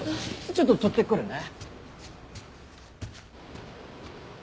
ちょっと取ってくるね。